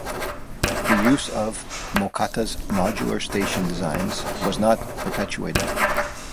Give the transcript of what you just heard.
The use of Mocatta's modular station designs was not perpetuated.